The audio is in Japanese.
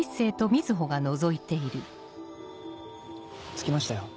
着きましたよ。